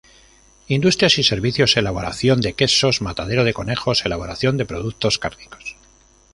Industrias y servicios: elaboración de quesos, matadero de conejos, elaboración de productos cárnicos.